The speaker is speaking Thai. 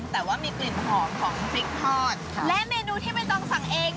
แต่ว่ามีกลิ่นหอมของพริกทอดและเมนูที่ไม่ต้องสั่งเอง